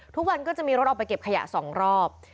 ทุกวันก็จะมีรถออกไปเก็บขยะ๒รอบ